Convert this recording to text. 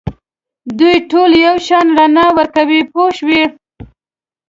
دوی ټول یو شان رڼا ورکوي پوه شوې!.